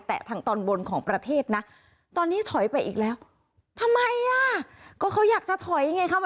แต่ทางตอนบนของประเทศนะตอนนี้ถอยไปอีกแล้วทำไมอ่ะก็เขาอยากจะถอยไงคะ